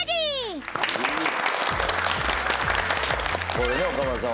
これね岡村さん